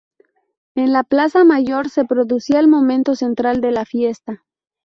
En la Plaza Mayor se producía el momento central de la fiesta.